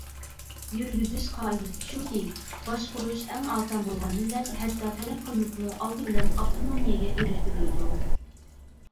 يۈرگۈزۈش قائىدىسى شۇكى، باشقۇرۇش ئەڭ ئاسان بولغان مىللەت ھەتتا تەلەپ قىلمىسىمۇ ئالدى بىلەن ئاپتونومىيەگە ئېرىشتۈرۈلىدۇ.